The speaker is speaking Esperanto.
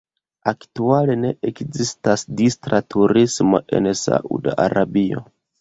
Aktuale ne ekzistas distra turismo en Sauda Arabio.